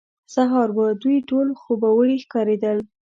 سهار وو، دوی ټول خوبوړي ښکارېدل.